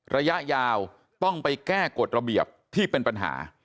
ระยะยาวต้องไปแก้กฎระเบียบที่เป็นปัญหา